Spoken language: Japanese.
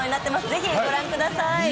ぜひご覧ください。